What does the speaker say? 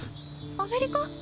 アメリカ？